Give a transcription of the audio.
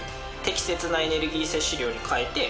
適切なエネルギー摂取量に変えて。